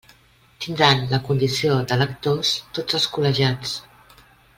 Tindran la condició d'electors tots els col·legiats.